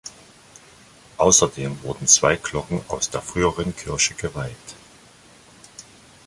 Außerdem wurden zwei Glocken aus der früheren Kirche geweiht.